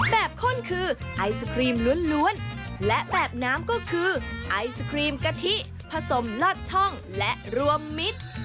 ข้นคือไอศครีมล้วนและแบบน้ำก็คือไอศครีมกะทิผสมลอดช่องและรวมมิตร